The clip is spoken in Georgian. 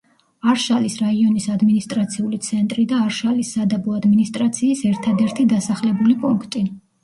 არშალის რაიონის ადმინისტრაციული ცენტრი და არშალის სადაბო ადმინისტრაციის ერთადერთი დასახლებული პუნქტი.